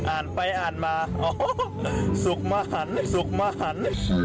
อ่านไปอ่านมาอ๋อสุขมหันสุขมหัน